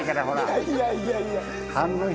いやいやいやいや！